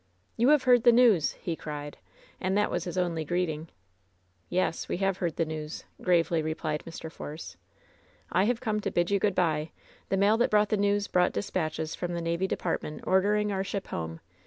"You have heard the news!" he cried; and that was his only greeting. "Yes, we have heard the news," gravely replied Mr. Force. "I have come to bid you good by. The mail that brought the news brought dispatches from the navy de partment ordering our ship home.